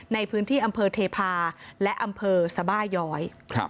ในพื้นที่อำเภอเทพาและอำเภอสบาย้อย